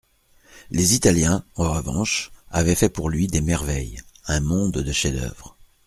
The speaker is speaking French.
Les Italiens, en revanche, avaient fait pour lui des merveilles, un monde de chefs-d'oeuvre.